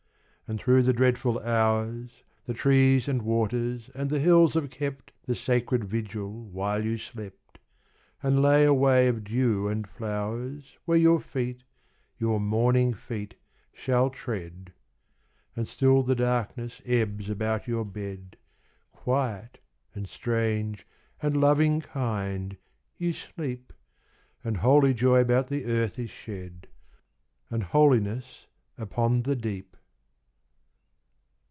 And through the dreadful hours The trees and waters and the hills have kept The sacred vigil while you slept, And lay a way of dew and flowers Where your feet, your morning feet, shall tread. And still the darkness ebbs about your bed. Quiet, and strange, and loving kind, you sleep. And holy joy about the earth is shed; And holiness upon the deep.